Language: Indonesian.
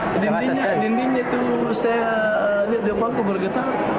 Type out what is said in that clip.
dindingnya itu saya lihat di depanku bergetar